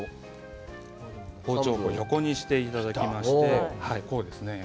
包丁を横にしていただきまして。